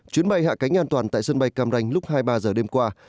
chuyến bay hạ cánh an toàn tại sân bay cam ranh lúc hai mươi ba h đêm qua